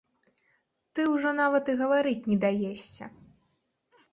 Ты ўжо нават і гаварыць не даешся.